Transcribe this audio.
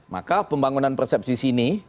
maka pembangunan persepsi sini